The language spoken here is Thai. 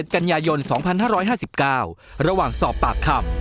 กันยายน๒๕๕๙ระหว่างสอบปากคำ